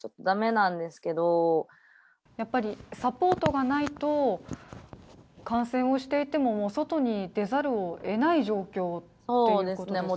駄目なんですけどやっぱりサポートがない等、感染をしていてももう外に出ざるを得ない状況ですか。